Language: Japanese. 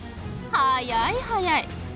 速い速い！